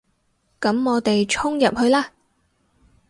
噉我哋衝入去啦